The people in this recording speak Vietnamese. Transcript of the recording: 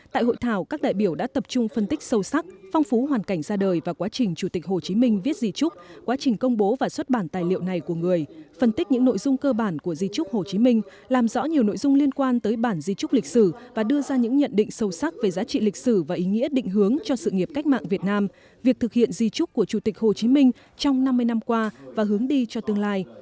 tại hội thảo các đại biểu đã tập trung phân tích sâu sắc phong phú hoàn cảnh ra đời và quá trình chủ tịch hồ chí minh viết di chúc quá trình công bố và xuất bản tài liệu này của người phân tích những nội dung cơ bản của di chúc hồ chí minh làm rõ nhiều nội dung liên quan tới bản di chúc lịch sử và đưa ra những nhận định sâu sắc về giá trị lịch sử và ý nghĩa định hướng cho sự nghiệp cách mạng việt nam việc thực hiện di chúc của chủ tịch hồ chí minh trong năm mươi năm qua và hướng đi cho tương lai